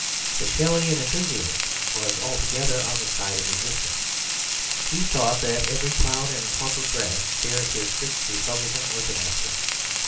The Shelleyan enthusiast was altogether on the side of existence; he thought that every cloud and clump of grass shared his strict republican orthodoxy.